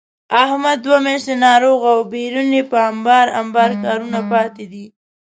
احمد دوه میاشتې ناروغه و، بېرون یې په امبار امبار کارونه پاتې دي.